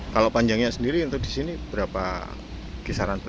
kalau panjangnya sendiri untuk disini berapa kisaran